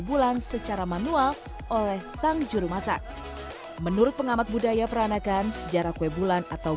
bulan secara manual oleh sang juru masak menurut pengamat budaya peranakan sejarah kue bulan atau